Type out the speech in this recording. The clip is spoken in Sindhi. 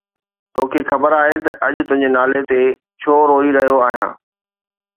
توکي خبر آهي ته اڄ تنهنجي نالي تي ڇو روئي رهيو آهيان؟